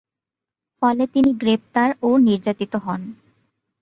ফলে তিনি গ্রেপ্তার ও নির্যাতিত হন।